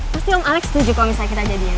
pasti om alex setuju kalo misalnya kita jadian